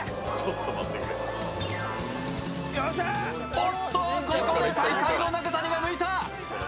おっと、ここで最下位の中谷が抜いた。